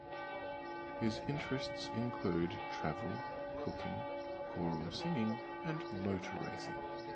His interests include travel, cooking, choral singing and motor racing.